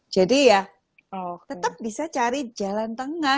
jadi ya tetap bisa cari jalan tengah